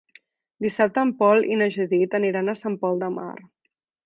Dissabte en Pol i na Judit aniran a Sant Pol de Mar.